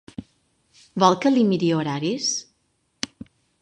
Vol que li miri horaris?